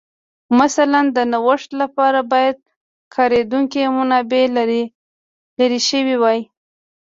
مثلاً د نوښت لپاره باید کارېدونکې منابع لرې شوې وای